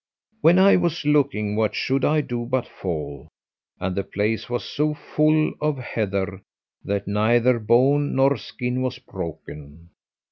When I was looking, what should I do but fall; and the place was so full of heather, that neither bone nor skin was broken.